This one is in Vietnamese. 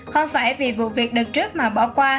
không phải vì vụ việc đợt trước mà bỏ qua